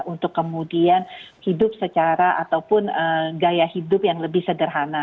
untuk kemudian hidup secara ataupun gaya hidup yang lebih sederhana